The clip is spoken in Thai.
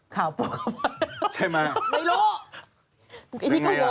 ขาวปลูกกระเพวะไอ้ขาว